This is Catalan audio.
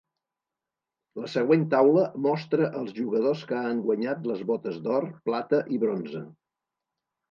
La següent taula mostra els jugadors que han guanyat les botes d'or, plata i bronze.